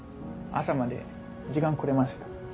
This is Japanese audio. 朝まで時間くれました。